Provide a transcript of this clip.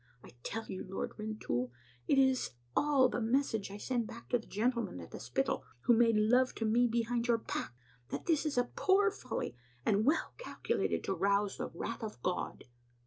I tell you. Lord Rintoul, and it is all the message I send back to the gentlemen at the Spittal who made love to me behind your back, that this is a poor folly, and well calculated to rouse the wrath of God."